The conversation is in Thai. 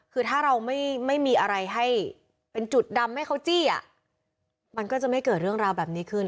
คือถ้าเราไม่มีอะไรให้เป็นจุดดำให้เขาจี้อ่ะมันก็จะไม่เกิดเรื่องราวแบบนี้ขึ้น